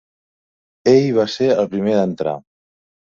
Ell va ser el primer d’entrar.